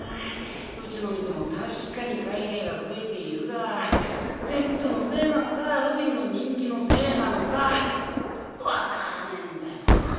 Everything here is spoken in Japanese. うちの店も確かに海兵が増えているがＺのせいなのかロビンの人気のせいなのか分からねえんだよなぁ。